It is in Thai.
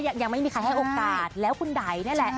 ยังไม่มีใครให้โอกาสแล้วคุณไดนี่แหละ